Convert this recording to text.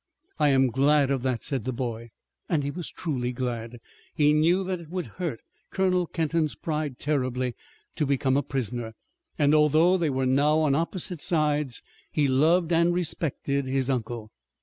"I am glad of that," said the boy. And he was truly glad. He knew that it would hurt Colonel Kenton's pride terribly to become a prisoner, and although they were now on opposite sides, he loved and respected his uncle.